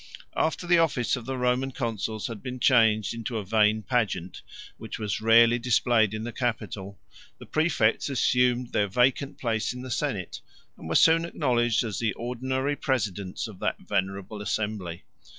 After the office of the Roman consuls had been changed into a vain pageant, which was rarely displayed in the capital, the præfects assumed their vacant place in the senate, and were soon acknowledged as the ordinary presidents of that venerable assembly.